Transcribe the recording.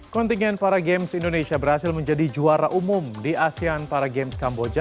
kontingen paragames indonesia berhasil menjadi juara umum di asean paragames kamboja